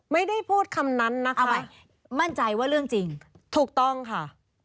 ไม่ได้พูดคำนั้นนะคะมั่นใจว่าเรื่องจริงถูกต้องค่ะ